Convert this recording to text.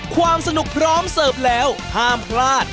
ความสนุกพร้อมเสิร์ฟแล้วห้ามพลาด